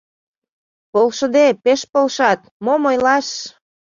Полшыде, пеш полшат, мом ойлаш!